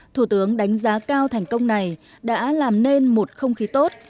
thủ tướng đánh giá cao thành công này đã làm nên một không khí tốt